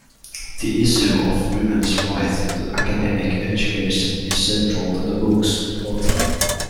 The issue of women's right to academic education is central to the book's plot.